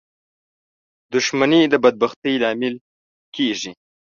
• دښمني د بدبختۍ لامل کېږي.